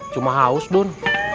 cuma haus dun